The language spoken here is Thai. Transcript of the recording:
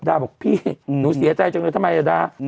ดาบอกพี่หนูเสียใจจังเลยทำไมอ่ะด้า